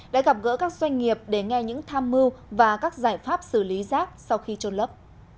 đã gặp gỡ các doanh nghiệp để nghe những tham mưu và các giải pháp xử lý rác sau khi trôn lấp